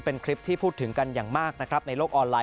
เป็นคลิปที่พูดถึงกันอย่างมากนะครับในโลกออนไลน